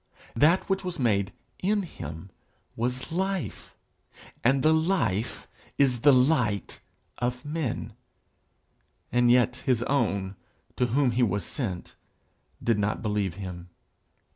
That which was made in him was life, and the life is the light of men; and yet his own, to whom he was sent, did not believe him.